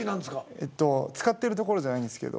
えっと使ってるところじゃないんですけど。